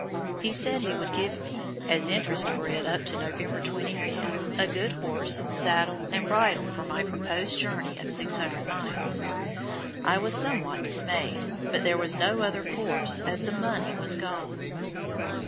He said he would give me, as interest for it up to November 25th, a good horse, saddle, and bridle for my proposed journey of 600 miles. I was somewhat dismayed, but there was no other course, as the money was gone.